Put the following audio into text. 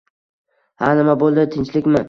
Ha, nima bo`ldi, tinchlikmi